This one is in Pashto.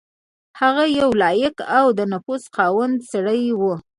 هغه یو لایق او د نفوذ خاوند سړی وو.